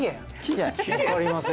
分かりません。